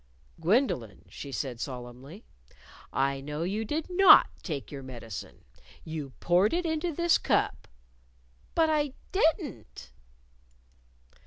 "Gwendolyn," she said solemnly, "I know you did not take your medicine. You poured it into this cup." "But I _didn't!